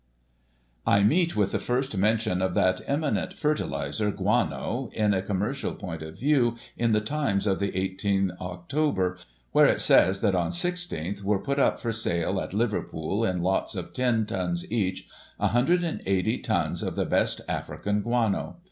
I meet with the first mention of that eminent fertiliser, Guano, in a commercial point of view, in the Times of the 18 Oct., where it says that on i6th were put up for sale, at Liverpool, in lots of 10 tons each, 180 tons of the best African guano.